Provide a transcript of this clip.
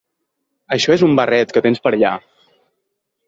Això és un barret que tens per allà.